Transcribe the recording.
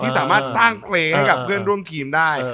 สามารถสร้างเพลงให้กับเพื่อนร่วมทีมได้